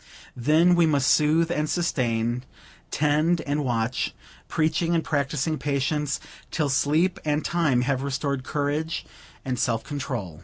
Then we must sooth and sustain, tend and watch; preaching and practicing patience, till sleep and time have restored courage and self control.